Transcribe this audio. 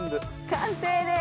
完成です。